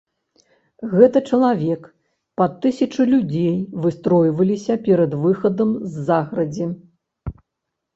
Гэта чалавек пад тысячу людзей выстройваліся перад выхадам з загарадзі.